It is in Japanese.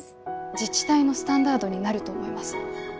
自治体のスタンダードになると思います。